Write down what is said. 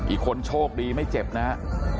อีกคนโชคดีไม่เจ็บนะฮะ